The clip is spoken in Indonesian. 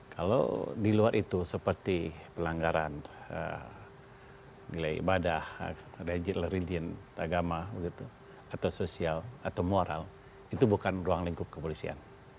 kalau di luar itu seperti pelanggaran nilai ibadah religion agama atau sosial atau moral itu bukan ruang lingkup kepolisian